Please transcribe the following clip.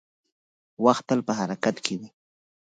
• وخت تل په حرکت کې وي.